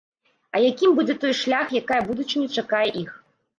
А якім будзе той шлях, якая будучыня чакае іх?